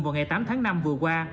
vào ngày tám tháng năm vừa qua